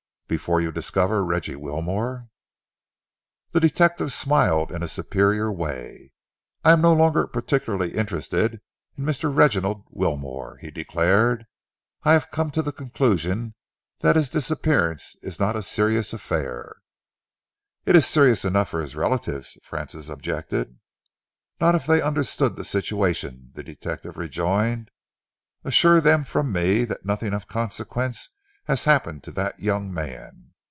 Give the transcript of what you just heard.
"Before you discover Reggie Wilmore?" The detective smiled in a superior way. "I am no longer particularly interested in Mr. Reginald Wilmore," he declared. "I have come to the conclusion that his disappearance is not a serious affair." "It's serious enough for his relatives," Francis objected. "Not if they understood the situation," the detective rejoined. "Assure them from me that nothing of consequence has happened to that young man.